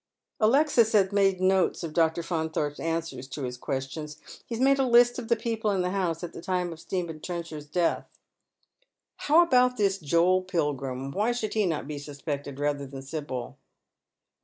Alexis has made notes of Dr. Faunthorpe's answers to hia questions. He has made a list of the people in the house at the time of Stephen Trenchard's death. " How about this Joel Pilgrim ? Why should he not be sus pected rather than Sibyl